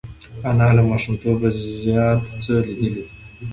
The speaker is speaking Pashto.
انا له ماشومتوبه زیات څه لیدلي دي